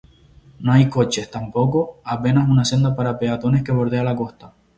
No hay coches tampoco; apenas una senda para peatones que bordea la costa.